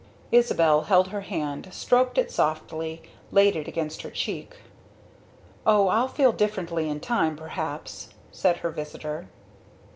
Isabel held her hand, stroked it softly, laid it against her cheek. "Oh, I'll feel differently in time, perhaps!" said her visitor.